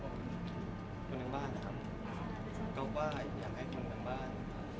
คนของน้องบ้านนะครับก็ว่าอยากให้คนของน้องบ้าน